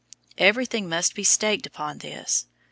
Everything must be staked upon this.